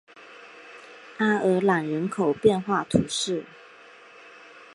阿尔朗人口变化图示